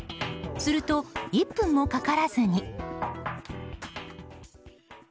すると１分もかからずに。